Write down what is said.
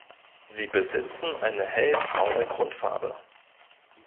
Sie besitzen eine hellbraune Grundfarbe.